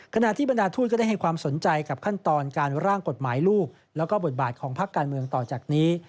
ขณะที่บรรดาทูตก็ได้ให้ความสนใจกับขั้นตอนการร่างกฎหมายลูกแล้วก็บทบาทของพักการเมืองต่อจากนี้